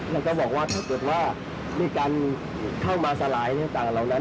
แล้วก็บอกว่าถ้าเกิดว่ามีการเข้ามาสลายต่างเหล่านั้น